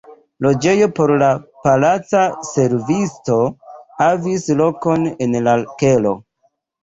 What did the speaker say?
Loĝejo por la palaca servisto havis lokon en la kelo.